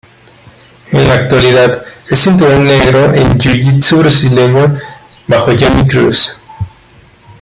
En la actualidad es cinturón negro en Jiu-Jitsu Brasileño bajo Jamie Cruz.